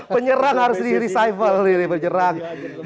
penyerang harus di resuffle penyerang